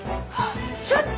ちょっと！